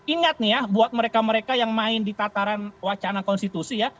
ingat nih ya buat mereka mereka yang main di tataran wacana konstitusi ya